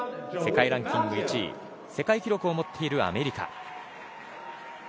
世界ランキング１位世界記録を持っているアメリカ。